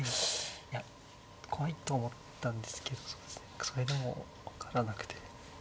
いや怖いと思ったんですけどそれでも分からなくて。